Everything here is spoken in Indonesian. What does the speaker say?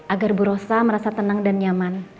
agar bu rosa merasa tenang dan nyaman